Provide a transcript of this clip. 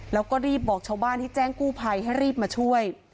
เราก็รีบบอกชาวบ้านที่แกกู้พัยมาช่วย